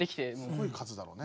すごい数だろうね。